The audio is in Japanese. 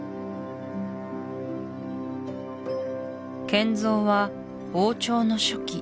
建造は王朝の初期